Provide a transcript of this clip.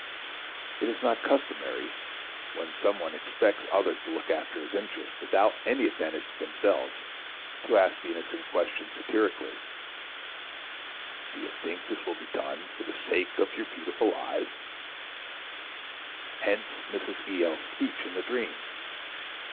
Is it not customary, when some one expects others to look after his interests without any advantage to themselves, to ask the innocent question satirically: "Do you think this will be done for the sake of your beautiful eyes?" Hence Mrs. E.L.'s speech in the dream.